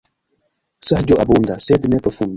Saĝo abunda, sed ne profunda.